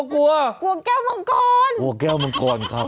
กลัวกลัวแก้วมังกรกลัวแก้วมังกรครับ